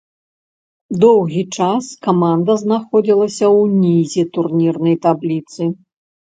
Доўгі час каманда знаходзілася ўнізе турнірнай табліцы.